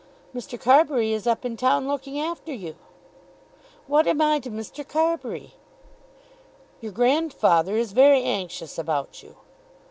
"Mr. Carbury is up in town looking after you." "What 'm I to Mr. Carbury?" "Your grandfather is very anxious about you."